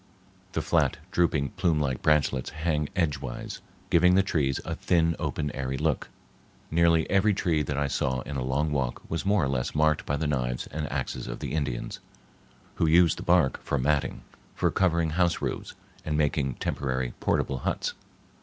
The flat, drooping, plume like branchlets hang edgewise, giving the trees a thin, open, airy look. Nearly every tree that I saw in a long walk was more or less marked by the knives and axes of the Indians, who use the bark for matting, for covering house roofs, and making temporary portable huts.